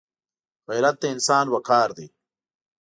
غیرت د انسان وقار دی